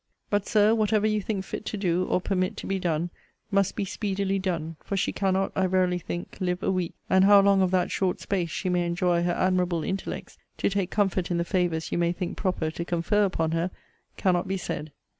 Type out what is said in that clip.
But, Sir, whatever you think fit to do, or permit to be done, must be speedily done; for she cannot, I verily think, live a week: and how long of that short space she may enjoy her admirable intellects to take comfort in the favours you may think proper to confer upon her cannot be said.